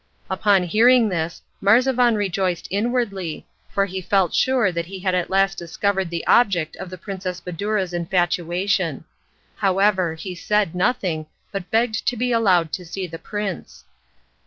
On hearing this Marzavan rejoiced inwardly, for he felt sure that he had at last discovered the object of the Princess Badoura's infatuation. However, he said nothing, but begged to be allowed to see the prince.